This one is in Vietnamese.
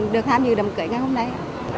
được hạm dự đàm cưới ngày hôm nay